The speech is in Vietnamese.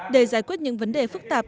để giải quyết những vấn đề phức tạp